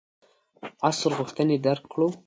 عصر غوښتنې درک کړو.